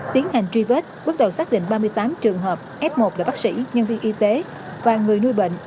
tiến hành truy vết bước đầu xác định ba mươi tám trường hợp f một là bác sĩ nhân viên y tế và người nuôi bệnh